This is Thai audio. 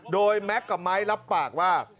โดยแม็กซ์กับไม้รับปากว่า